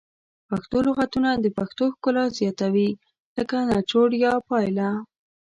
پښتو لغتونه د پښتو ښکلا زیاتوي لکه نچوړ یا پایله